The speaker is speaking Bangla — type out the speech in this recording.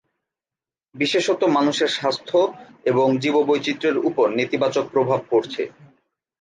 বিশেষত মানুষের স্বাস্থ্য এবং জীববৈচিত্র্যের ওপর নেতিবাচক প্রভাব পড়ছে।